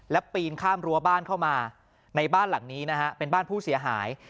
และปีนข้ามรั้วบ้านเข้ามาในบ้านหลังนี้นะฮะเป็นบ้านผู้เสียหาย